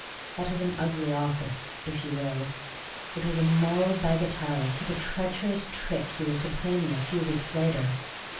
That was an ugly office, if you will. It was a moral bagatelle to the treacherous trick he was to play me a few weeks later.